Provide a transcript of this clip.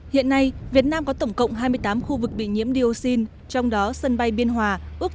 hiện nay việt nam có tổng cộng hai mươi tám khu vực bị nhiễm dioxin trong đó sân bay biên hòa ước